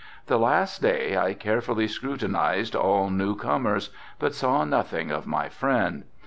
The last day I carefully scrutinized all new comers, but saw nothing of my friend.